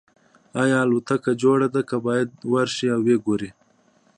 ایا الوتکه جوړه ده که باید ورشئ او وګورئ